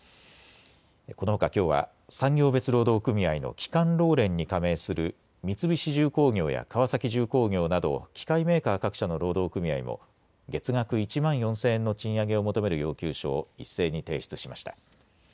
このほかきょうは産業別労働組合の基幹労連に加盟する三菱重工業や川崎重工業など機械メーカー各社の労働組合も月額１万４０００円の賃上げを求める要求書を一斉に提出しました。